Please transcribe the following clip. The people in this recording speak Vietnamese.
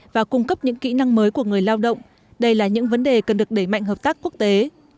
và cung cấp những kỹ năng mới của người lao động đây là những vấn đề cần được đẩy mạnh hợp tác quốc tế